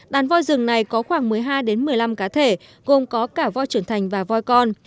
đàn voi rừng này có khoảng một mươi hai một mươi năm cá thể gồm có cả voi trưởng thành và voi con